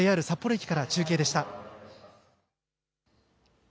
ＪＲ札幌駅から中継でした。